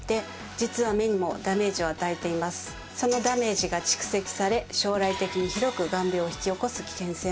そのダメージが蓄積され将来的に広く眼病を引き起こす危険性もあります。